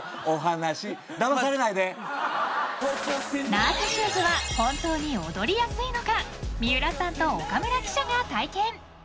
［ナースシューズは本当に踊りやすいのか三浦さんと岡村記者が体験］